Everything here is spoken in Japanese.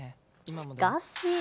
しかし。